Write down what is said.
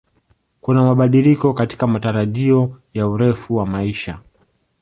Kuna mabadiliko katika matarajio ya urefu wa maisha